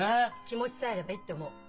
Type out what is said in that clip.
気持ちさえあればいいって思う。